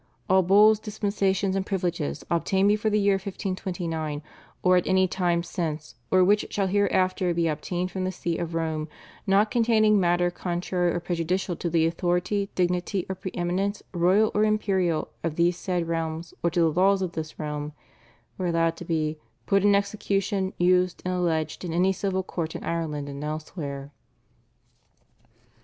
"All Bulls, dispensations, and privileges obtained before the year 1529 or at any time since, or which shall hereafter be obtained from the See of Rome, not containing matter contrary or prejudicial to the authority, dignity, or pre eminence royal or imperial of these said realms or to the laws of this realm" were allowed to be "put in execution, used, and alleged in any civil court in Ireland and elsewhere."